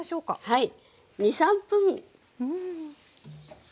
はい。